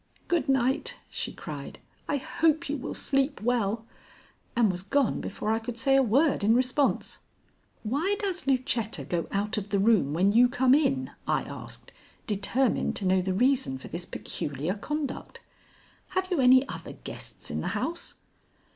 "Good night," she cried. "I hope you will sleep well," and was gone before I could say a word in response. "Why does Lucetta go out of the room when you come in?" I asked, determined to know the reason for this peculiar conduct. "Have you any other guests in the house?"